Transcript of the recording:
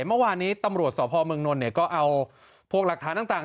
เมื่อวานนี้ตำรวจสพเมืองนนท์ก็เอาพวกหลักฐานต่าง